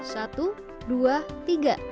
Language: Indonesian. satu dua tiga